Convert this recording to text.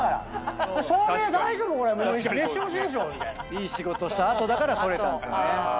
いい仕事した後だから撮れたんですよね。